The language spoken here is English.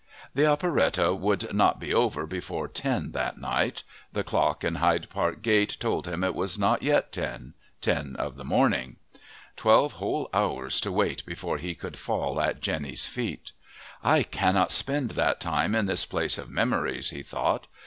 The operette would not be over before ten that night. The clock in Hyde Park Gate told him it was not yet ten ten of the morning. Twelve whole hours to wait before he could fall at Jenny's feet! "I cannot spend that time in this place of memories," he thought.